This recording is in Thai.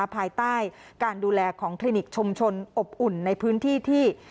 ภายใต้การดูแลของคลินิกชุมชนอบอุ่นในพื้นที่ที่